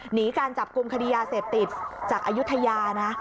หนีการจับกลุ่มคดียาเสพติดจากอายุทยานะ